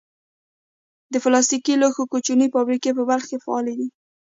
د پلاستیکي لوښو کوچنۍ فابریکې په بلخ کې فعالې دي.